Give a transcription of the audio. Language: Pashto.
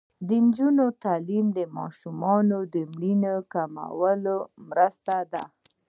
د نجونو تعلیم د ماشومانو مړینې کمولو مرسته ده.